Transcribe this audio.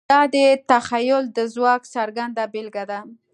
دا د تخیل د ځواک څرګنده بېلګه ده.